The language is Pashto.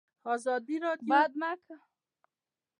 ازادي راډیو د بانکي نظام په اړه پراخ بحثونه جوړ کړي.